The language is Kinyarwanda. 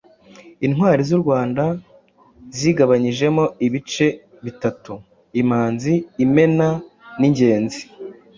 Intwali z’u Rwanda zigabanyijemo ibyiciro bitatu: Imanzi, Imena n’Ingenzi.